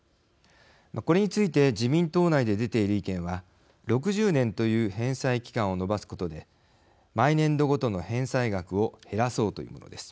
これについて自民党内で出ている意見は６０年という返済期間を延ばすことで毎年度ごとの返済額を減らそうというものです。